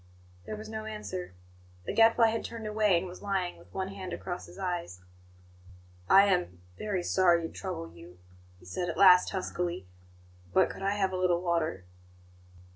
There was no answer. The Gadfly had turned away, and was lying with one hand across his eyes. "I am very sorry to trouble you," he said at last, huskily; "but could I have a little water?"